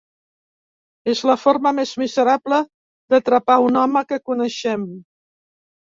És la forma més miserable d'atrapar a un home que coneixem.